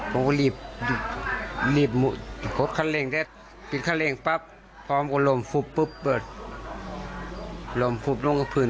ผมก็หลีบหลีบพอขนเร่งได้ปิดขนเร่งปั๊บผมก็ลมฟุบปุ๊บเปิดลมฟุบลงไปพื้น